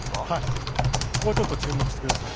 ここちょっと注目して下さい。